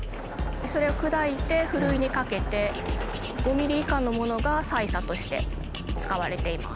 それを砕いてふるいにかけて５ｍｍ以下のものが砕砂として使われています。